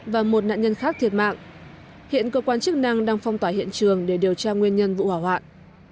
và một nạn nhân khác thiệt mạng hiện cơ quan chức năng đang phong tỏa hiện trường để điều tra nguyên nhân vụ hỏa hoạn